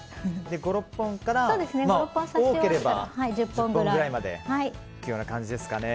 ５６本から多ければ１０本くらいまでという感じですかね。